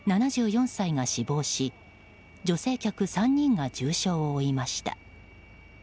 ７４歳が死亡し女性客３人が重傷を負いました。